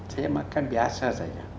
saya makan biasa saja